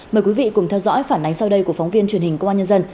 mời quý vị cùng theo dõi phản ánh sau đây của phóng viên truyền hình công an nhân dân